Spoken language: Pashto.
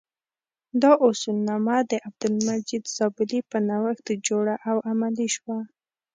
دا اصولنامه د عبدالمجید زابلي په نوښت جوړه او عملي شوه.